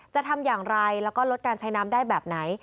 จะทำอย่างไรแล้วก็ลดการใช้น้ำได้แบบไหน